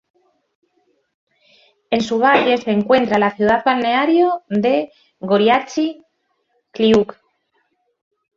En su valle se encuentra la ciudad-balneario de Goriachi Kliuch.